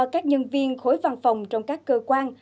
các nhân viên khối văn phòng trong các cơ quan